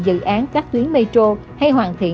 dự án các tuyến metro hay hoàn thiện